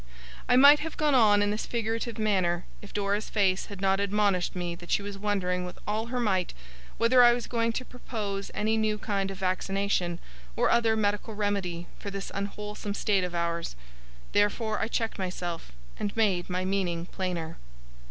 I might have gone on in this figurative manner, if Dora's face had not admonished me that she was wondering with all her might whether I was going to propose any new kind of vaccination, or other medical remedy, for this unwholesome state of ours. Therefore I checked myself, and made my meaning plainer.